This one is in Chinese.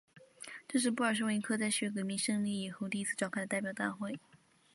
这是布尔什维克在十月革命胜利以后第一次召开的代表大会。